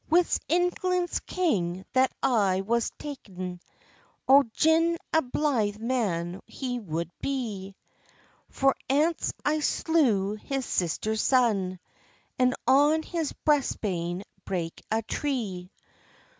"Wist England's king that I was ta'en, Oh, gin a blythe man he wou'd be! For ance I slew his sister's son, And on his breast bane brak a tree."